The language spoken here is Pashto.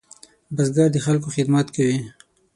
بزګر د خلکو خدمت کوي